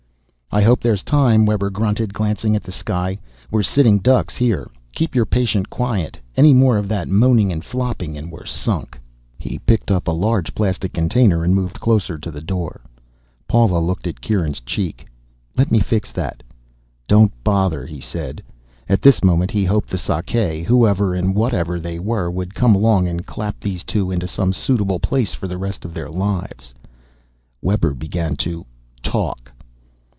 "I hope there's time," Webber grunted, glancing at the sky. "We're sitting ducks here. Keep your patient quiet any more of that moaning and flopping and we're sunk." He picked up a large plastic container and moved closer to the door. Paula looked at Kieran's cheek. "Let me fix that." "Don't bother," he said. At this moment he hoped the Sakae, whoever and whatever they were, would come along and clap these two into some suitable place for the rest of their lives. Webber began to "talk".